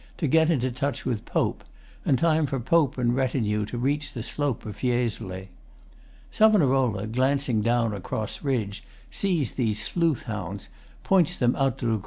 to get into touch with POPE, and time for POPE and retinue to reach the slope of Fiesole. SAV., glancing down across ridge, sees these sleuth hounds, points them out to LUC.